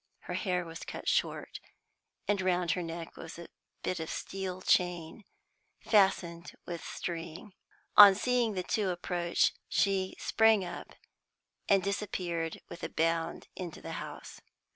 Her hair was cut short, and round her neck was a bit of steel chain, fastened with string. On seeing the two approach, she sprang up, and disappeared with a bound into the house.